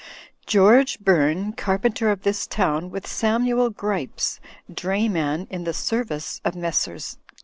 "George Bum, car penter of this town, with Samuel Gripes, dra)anan in the service of Messrs.